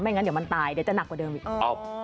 งั้นเดี๋ยวมันตายเดี๋ยวจะหนักกว่าเดิมอีก